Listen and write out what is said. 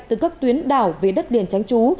từ các tuyến đảo về đất liền tránh trú